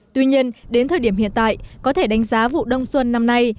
tuy nhiên đến thời điểm hiện tại có thể đánh giá vụ đông xuân năm nay